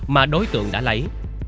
mà đối tượng đã lấy